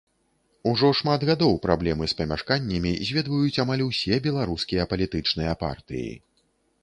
Ужо шмат гадоў праблемы з памяшканнямі зведваюць амаль усе беларускія палітычныя партыі.